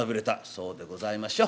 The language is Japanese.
「そうでございましょ。